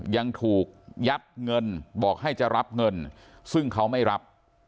ยังถูกยัดเงินบอกให้จะรับเงินซึ่งเขาไม่รับ